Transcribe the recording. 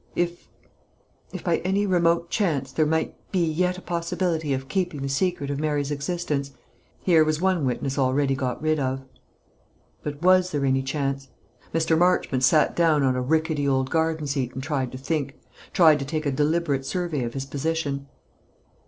If if by any remote chance there might be yet a possibility of keeping the secret of Mary's existence, here was one witness already got rid of. But was there any chance? Mr. Marchmont sat down on a rickety old garden seat, and tried to think tried to take a deliberate survey of his position.